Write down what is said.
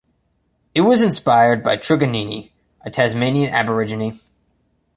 It was inspired by Truganini, a Tasmanian Aborigine.